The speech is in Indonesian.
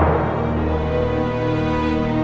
ayah anda mertuaku